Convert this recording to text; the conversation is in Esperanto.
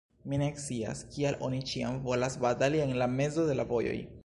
Mi ne scias, kial oni ĉiam volas batali en la mezo de la vojoj.